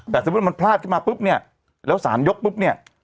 แต่สมมุติมันพลาดขึ้นมาปุ๊บเนี่ยแล้วสารยกปุ๊บเนี่ย